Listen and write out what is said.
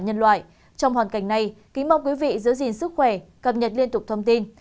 nhân loại trong hoàn cảnh này kính mong quý vị giữ gìn sức khỏe cập nhật liên tục thông tin